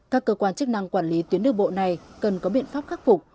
các cơ quan chức năng quản lý tuyến đường bộ này cần có biện pháp khắc phục